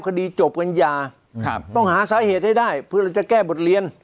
คดีจบกัญญาต้องหาสาเหตุให้ได้เพื่อเราจะแก้บทเรียน